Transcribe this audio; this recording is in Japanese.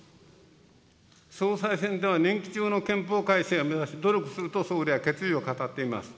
総裁選では任期中の憲法改正を目指し、努力すると総理は決意を語っています。